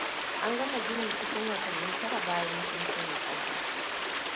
An gama gini cikin watanni tara bayan sun tona kasa.